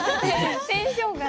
テンションがね。